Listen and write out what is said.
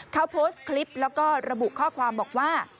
เขาโพสต์คลิปแล้วก็ระบุข้อความบอกว่า